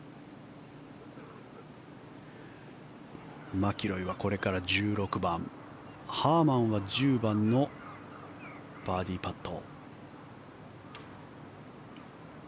マキロイはこれから１６番ハーマンは１０番のバーディーパット。